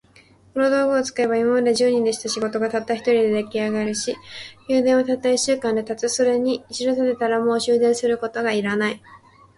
この道具を使えば、今まで十人でした仕事が、たった一人で出来上るし、宮殿はたった一週間で建つ。それに一度建てたら、もう修繕することが要らない。